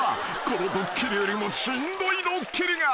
［このドッキリよりもしんどいドッキリが］